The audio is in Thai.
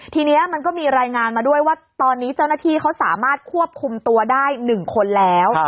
ทีนี้มันก็มีรายงานมาด้วยว่าตอนนี้เจ้าหน้าที่เขาสามารถควบคุมตัวได้๑คนแล้ว